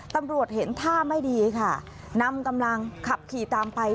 ตำรวจเห็นท่าไม่ดีค่ะนำกำลังขับขี่ตามไป